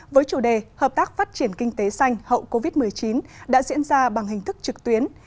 với chủ đề hợp tác phát triển kinh tế xanh hậu covid một mươi chín đã diễn ra bằng hình thức trực tuyến